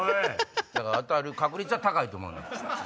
だから当たる確率は高いと思います。